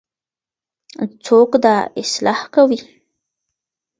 څوک دا اصلاح کوي؟